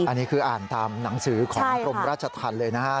อันนี้คืออ่านตามหนังสือของกรมราชธรรมเลยนะฮะ